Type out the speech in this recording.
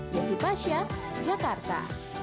yesi pasha jakarta